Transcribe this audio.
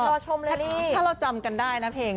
โอ้โหคือที่ก็ต้องทั้ง